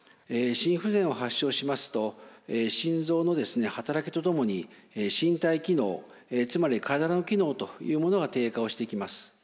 心不全を発症しますと心臓の働きとともに身体機能つまり体の機能というものが低下をしていきます。